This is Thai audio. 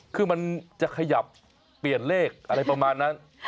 คือมันจะขยับเปลี่ยนเลขอะไรประมาณนั้น